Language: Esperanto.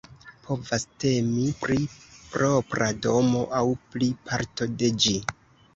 Povas temi pri propra domo aŭ pri parto de ĝi.